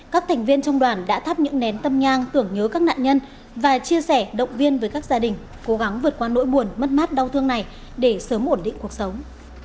các thành viên trong đoàn đã thắp những nén tâm nhang tưởng nhớ các nạn nhân và chia sẻ động viên với các gia đình cố gắng vượt qua nỗi buồn mất mát đau thương này để sớm ổn định cuộc sống